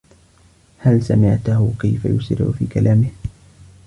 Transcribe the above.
هل سمعته كيف يسرع في كلامه؟